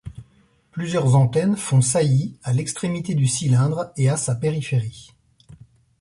Plusieurs antennes font saillie à l'extrémité du cylindre et à sa périphérie.